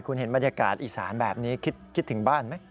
คุณเห็นบรรยากาศอีสานแบบนี้คิดถึงบ้านไหม